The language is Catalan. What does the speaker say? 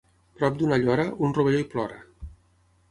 Prop d'una llora, un rovelló hi plora.